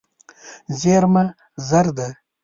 زېرمه زر ده.